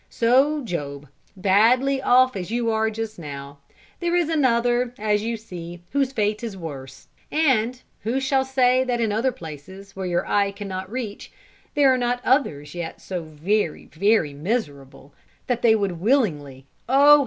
So, Job, badly off as you are just now, there is another, as you see, whose fate is worse; and who shall say that in other places, where your eye cannot reach, there are not others yet so very, very miserable, that they would willingly, oh!